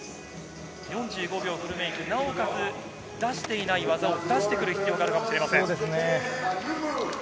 ４５秒フルメイク、なおかつ出していない技を出してくる必要があるかもしれません。